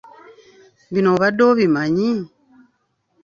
Bino obadde obimanyi?